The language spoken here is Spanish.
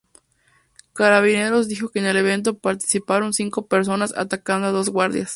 Carabineros dijo que en el evento participaron cinco personas atacando a dos guardias.